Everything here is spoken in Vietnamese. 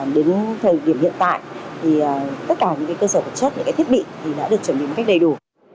đến thời điểm hiện tại thì tất cả những cơ sở vật chất những cái thiết bị đã được chuẩn bị một cách đầy đủ